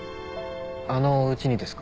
あのおうちにですか？